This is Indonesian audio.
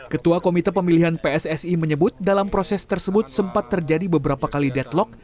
ketua komite pemilihan pssi menyebut dalam proses tersebut sempat terjadi beberapa kali deadlock